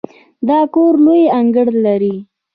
دا کور لوی انګړ لري.